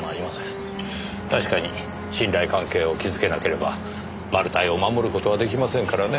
確かに信頼関係を築けなければマル対を守る事はできませんからね。